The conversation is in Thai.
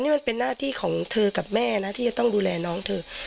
แม่นะที่จะต้องดูแลน้องเถอะ